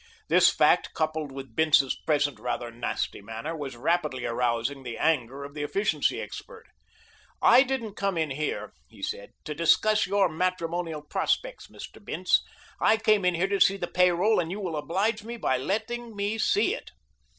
This fact, coupled with Bince's present rather nasty manner, was rapidly arousing the anger of the efficiency expert. "I didn't come in here," he said, "to discuss your matrimonial prospects, Mr. Bince. I came in here to see the pay roll, and you will oblige me by letting me see it."